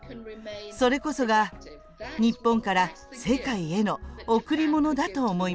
それこそが、日本から世界への贈り物だと思います。